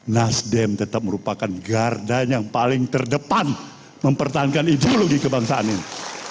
nasdem tetap merupakan garda yang paling terdepan mempertahankan ideologi kebangsaan ini